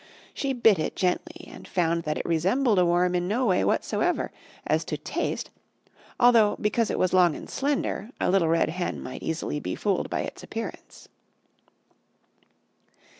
She bit it gently and found that it resembled a worm in no way whatsoever as to taste although because it was long and slender, a Little Red Hen might easily be fooled by its appearance.